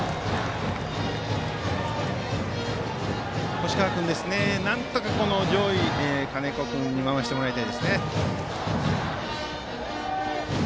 干川君はなんとか上位の金子君に回してもらいたいですね。